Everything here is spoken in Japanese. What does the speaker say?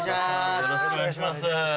よろしくお願いします。